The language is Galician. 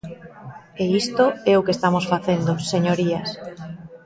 E isto é o que estamos facendo, señorías.